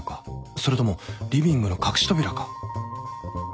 それともリビングの隠し扉か